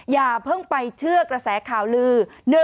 อย่าเพิ่งไปเชื่อกระแสข่าวลือ